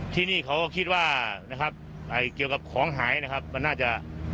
ที่นี่เขาก็คิดว่านะครับเกี่ยวกับของหายนะครับมันน่าจะ